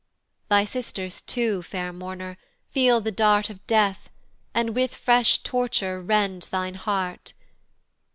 Thy sisters too, fair mourner, feel the dart Of Death, and with fresh torture rend thine heart.